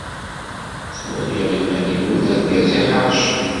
Ttwaliɣ iman-inu d argaz iḥeṛcen.